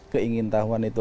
keingin tahuan itu